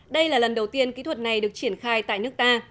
đây là lần đầu tiên kỹ thuật này được triển khai tại nước ta